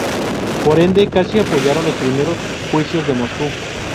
Por ende, casi apoyaron los primeros Juicios de Moscú.